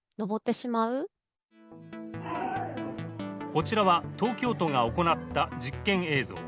こちらは東京都が行った実験映像。